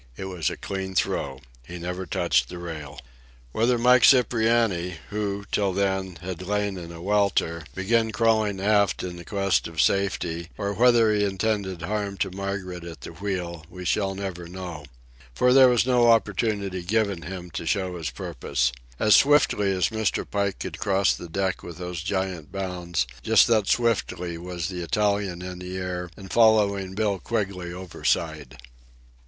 It was a clean throw. He never touched the rail. Whether Mike Cipriani, who, till then, had lain in a welter, began crawling aft in quest of safety, or whether he intended harm to Margaret at the wheel, we shall never know; for there was no opportunity given him to show his purpose. As swiftly as Mr. Pike could cross the deck with those giant bounds, just that swiftly was the Italian in the air and following Bill Quigley overside.